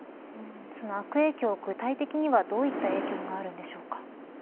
その悪影響は具体的にはどういった影響があるんでしょうか。